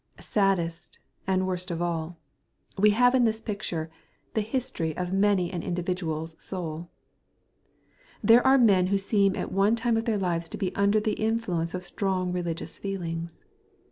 Saddest and worst of all, we have in this picture the history of many an individuals soul. There are men who seemed at one time of their lives to be under the influence of strong religious feelings.